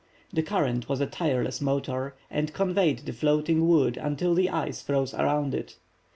The current was a tireless motor, and conveyed the floating wood until the ice froze around it.